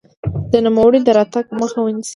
د نوموړي د راتګ مخه ونیسي.